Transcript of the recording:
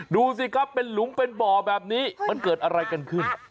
ดูสิครับเป็นหลุมเป็นบ่อแบบนี้มันเกิดอะไรกันขึ้น